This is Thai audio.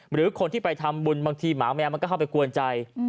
หรือคนที่ไปทำบุญบางทีหมาแมวมันก็เข้าไปกวนใจ